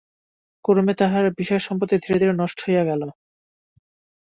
ক্রমে তাঁহার বিষয়সম্পত্তি ধীরে ধীরে নষ্ট হইয়া গেল।